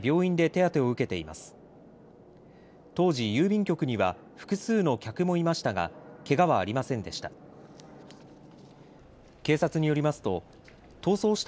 当時、郵便局には複数の客もいましたがけがはありませんでした。